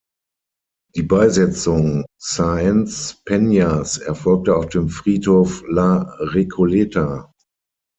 Die Beisetzung Sáenz Peñas erfolgte auf dem Friedhof La Recoleta.